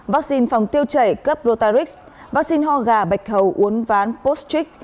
vaccine phòng tiêu chảy cấp rotarix vaccine ho gà bạch hầu uốn ván postrix